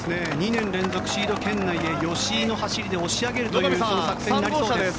２年連続シード圏内で吉居の走りで押し上げる作戦になりそうです。